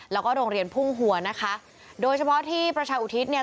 แล้วก็โรงเรียนพุ่งหัวนะคะโดยเฉพาะที่ประชาอุทิศเนี่ย